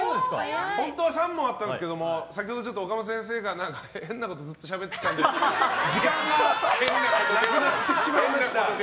本当は３問あったんですけど先ほど岡本先生が変なことずっとしゃべってたので時間がなくなってしまいました。